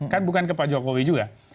kan bukan ke pak jokowi juga